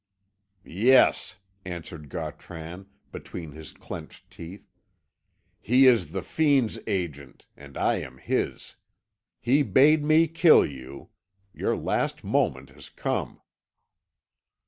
"Yes," answered Gautran, between his clenched teeth; "he is the fiend's agent, and I am his! He bade me kill you. Your last moment has come!"